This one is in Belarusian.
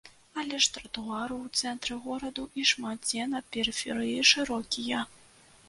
Але ж тратуары ў цэнтры гораду і шмат дзе на перыферыі шырокія.